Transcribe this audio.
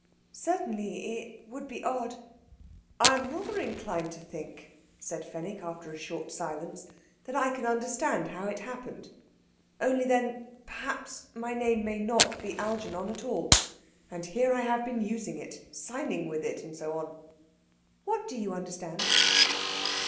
Certainly, it would be odd." "I am rather inclined to think," said Fenwick, after a short silence, "that I can understand how it happened. Only then, perhaps, my name may not be Algernon at all. And here I have been using it, signing with it, and so on." "What do you understand?"